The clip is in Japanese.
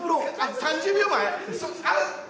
３０秒前！？